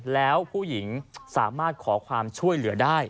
แล้วผู้หญิงสามารถขอความช่วยเหลือได้